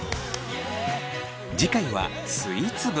次回はスイーツ部。